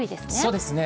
そうですね。